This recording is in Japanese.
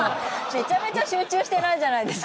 めちゃめちゃ集中してないじゃないですか。